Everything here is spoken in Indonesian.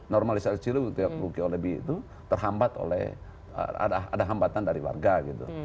normalisasi ciliwung tiga puluh kwb itu terhambat oleh ada hambatan dari warga gitu